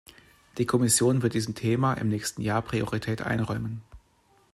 Die Kommission wird diesem Thema im nächsten Jahr Priorität einräumen.